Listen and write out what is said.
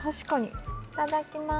いただきます。